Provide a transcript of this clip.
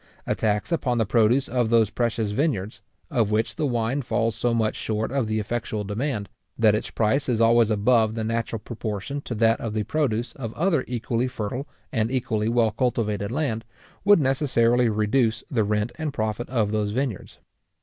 A tax upon the produce of those precious vineyards, of which the wine falls so much short of the effectual demand, that its price is always above the natural proportion to that of the produce of other equally fertile and equally well cultivated land, would necessarily reduce the rent and profit of those vineyards.